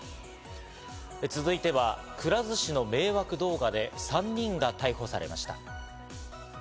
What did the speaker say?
続いては、くら寿司の迷惑動画で３人が逮捕されました。